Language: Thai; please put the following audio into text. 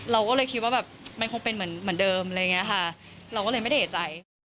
เราก็เลยคิดว่ามันคงเป็นเหมือนเดิมเราก็เลยไม่ได้เหตุใจ